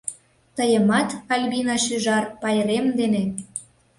Тыйымат, Альбина шӱжар, пайрем дене!